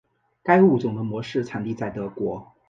该物种的模式产地在德国。